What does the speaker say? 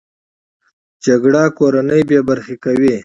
جګړه کورنۍ بې برخې کوي